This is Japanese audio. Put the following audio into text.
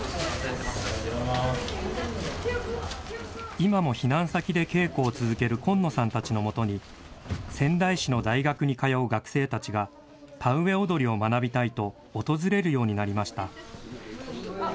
今も避難先で稽古を続ける紺野さんたちのもとに、仙台市の大学に通う学生たちが、田植踊を学びたいと、訪れるようになりました。